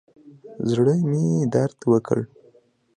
زړه مې درد وکړ.